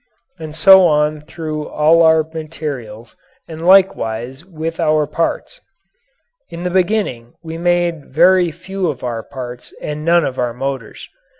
And so on through all of our materials and likewise with our parts. In the beginning we made very few of our parts and none of our motors.